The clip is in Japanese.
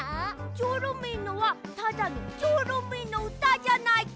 チョロミーのはただのチョロミーのうたじゃないか！